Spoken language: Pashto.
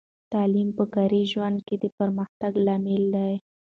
تعلیم په کاري ژوند کې د پرمختګ لامل دی.